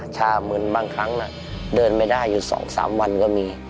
ชามื้นบางครั้งเนี่ยเดินไม่ได้อยู่สองสามวันก็มี